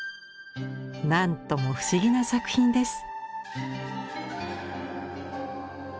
何とも不思議な作品です。